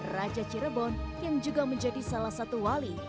raja cirebon yang juga menjadi salah satu wali